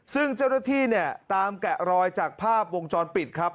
ซึ่งเจ้าหน้าที่เนี่ยตามแกะรอยจากภาพวงจรปิดครับ